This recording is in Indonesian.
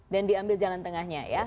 dan diambil jalan tengahnya ya